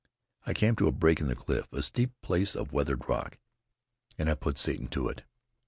I came to a break in the cliff, a steep place of weathered rock, and I put Satan to it.